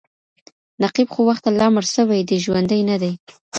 نقيب خو وخته لا مړ سوى دی ژوندى نـه دئ